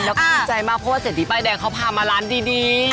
แล้วก็ดีใจมากเพราะว่าเศรษฐีป้ายแดงเขาพามาร้านดี